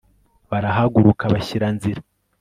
barahaguruka bashyira nzira